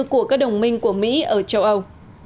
của các đồng minh của mỹ ở châu âu